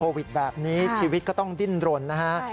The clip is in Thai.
วิทย์แบบนี้ชีวิตก็ต้องดิ้นรนนะฮะ